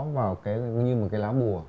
vào cái như một cái lá bùa